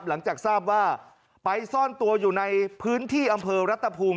หลังจากทราบว่าไปซ่อนตัวอยู่ในพื้นที่อำเภอรัตภูมิ